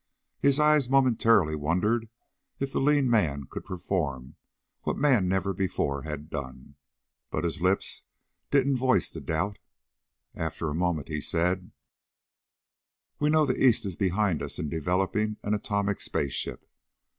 His eyes momentarily wondered if the lean man could perform what man never before had done. But his lips didn't voice the doubt. After a moment he said: "We know the East is behind us in developing an atomic spaceship.